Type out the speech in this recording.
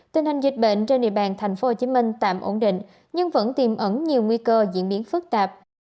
tình hình dịch bệnh trên địa bàn tp hcm tạm ổn định nhưng vẫn tiềm ẩn nhiều nguy cơ diễn biến phức tạp